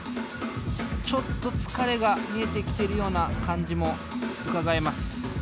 ちょっと疲れが見えてきてるような感じもうかがえます。